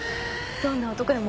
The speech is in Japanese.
どんな男でも？